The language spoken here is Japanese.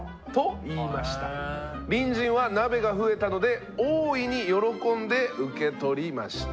隣人は鍋が増えたので大いに喜んで受け取りました。